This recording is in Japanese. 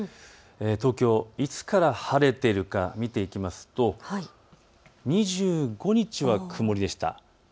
東京、いつから晴れているか見ていきますと２５日は曇りでした。